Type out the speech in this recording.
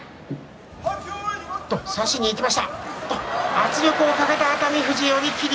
圧力をかけた熱海富士寄り切り。